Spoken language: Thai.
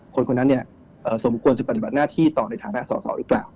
คนคนนั้นเนี่ยสมควรจะปฏิบัติหน้าที่ต่อในฐานะสอสอหรือเปล่า